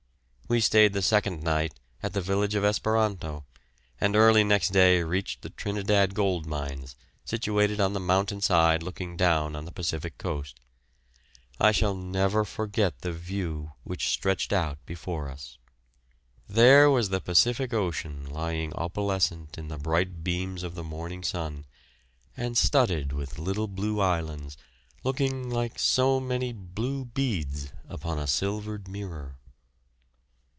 We stayed the second night at the village of Esperanto, and early next day reached the Trinidad gold mines, situated on the mountain side looking down on the Pacific coast. I shall never forget the view which stretched out before us. There was the Pacific Ocean lying opalescent in the bright beams of the morning sun, and studded with little blue islands, looking like so many blue beads upon a silvered mirror.